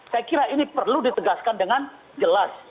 saya kira ini perlu ditegaskan dengan jelas